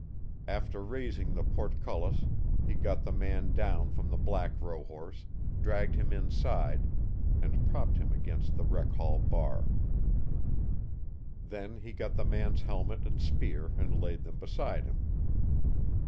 After raising the "portcullis", he got the man down from the black rohorse, dragged him inside, and propped him against the rec hall bar. Then he got the man's helmet and spear and laid them beside him.